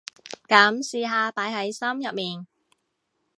噉試下擺喺心入面